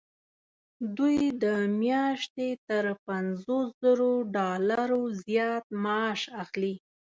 دوی د میاشتې تر پنځوس زرو ډالرو زیات معاش اخلي.